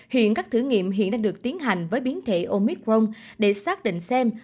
hiện các thử nghiệm hiện đang được tiến hành với biến thể omicron để xác định xem